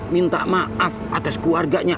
minta maaf atas keluarganya